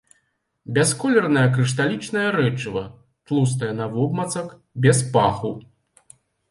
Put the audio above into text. Бясколернае крышталічнае рэчыва, тлустае навобмацак, без паху.